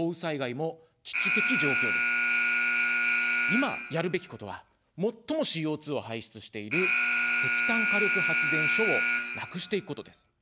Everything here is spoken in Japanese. いま、やるべきことは、最もＣＯ２を排出している石炭火力発電所をなくしていくことです。